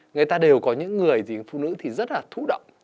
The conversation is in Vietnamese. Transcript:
người ta đều có những người phụ nữ thì rất là thú động